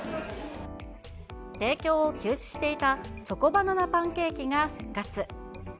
提供を休止していた、チョコバナナパンケーキが復活。